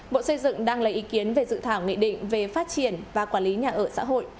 bộ xây dựng đang lấy ý kiến về dự thảo nghị định về phát triển và quản lý nhà ở xã hội